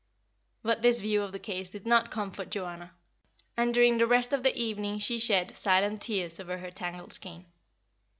But this view of the case did not comfort Joanna, and during the rest of the evening she shed silent tears over her tangled skein.